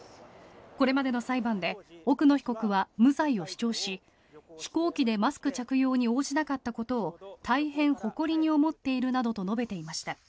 これまでの裁判で奥野被告は無罪を主張し飛行機でマスク着用に応じなかったことを大変誇りに思っているなどと述べていました。